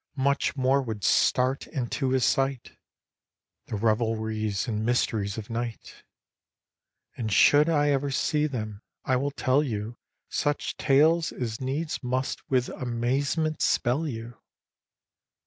much more would start into his sight â The revelries, and mysteries of night : And should I ever see them, I will tell you Such tales as needs must with amazement spell you.